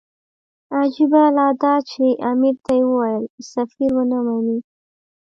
عجیبه لا دا چې امیر ته یې وویل سفیر ونه مني.